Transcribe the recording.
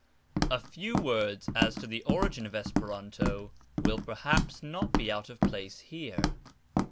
A few words as to the origin of Esperanto will perhaps not be out of place here.